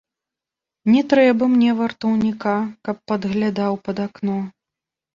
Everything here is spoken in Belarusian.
Не трэба мне вартаўніка, каб падглядаў пад акно.